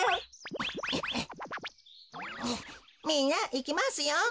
みんないきますよ。